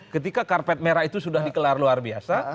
ketika karpet merah itu sudah dikelar luar biasa